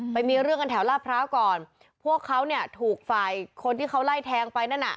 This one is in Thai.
ไปมีเรื่องกันแถวลาดพร้าวก่อนพวกเขาเนี่ยถูกฝ่ายคนที่เขาไล่แทงไปนั่นน่ะ